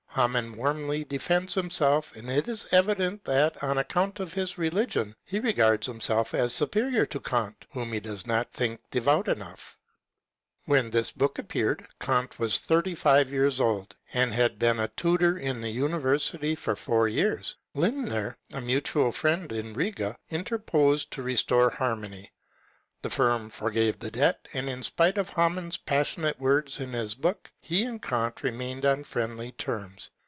Hamann warmly defends himself, and it is evident that, on account of his religion, he regards himself as superior to Kant, whom he does not think devout enough. When this 202 THE LIFE OF IMMAKUEL KANl*. book appeared, Eant was thirfy five years old, and had been a tutor in the university for four years. Lindner, a mutual friend in Riga, interposed to restore harmony. The firm forgave the debt ; and in spite of Hamann's passionate words in his book, he and Kant remained on friendly terms.